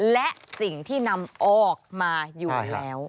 และสิ่งที่นำออกมาอยู่แล้ว